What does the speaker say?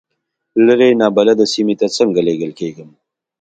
لرې نابلده سیمې ته څنګه لېږل کېږم.